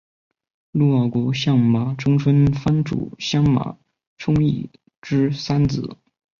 陆奥国相马中村藩主相马充胤之三子。